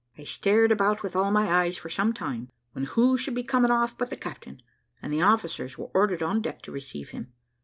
I stared about with all my eyes for some time, when who should be coming off but the captain, and the officers were ordered on deck to receive him.